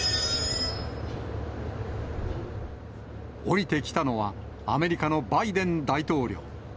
降りてきたのは、アメリカのバイデン大統領。